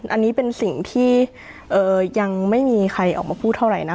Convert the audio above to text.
อันนี้เป็นสิ่งที่ยังไม่มีใครออกมาพูดเท่าไหร่นะ